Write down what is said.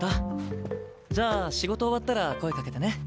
じゃあ仕事終わったら声かけてね。